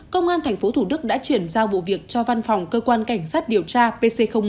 công an tp thủ đức đã chuyển giao vụ việc cho văn phòng cơ quan cảnh sát điều tra pc một